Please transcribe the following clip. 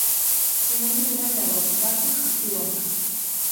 Sumendi ugari dago, batzuk aktiboak.